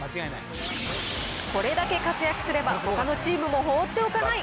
これだけ活躍すれば、ほかのチームも放っておかない。